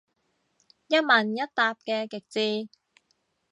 一問一答嘅極致